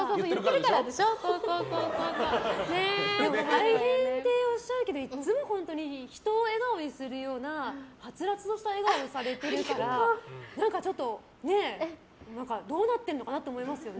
大変っておっしゃるけどいつも人を笑顔にするようなはつらつとした笑顔をされてるからどうなってるのかなって思いますよね。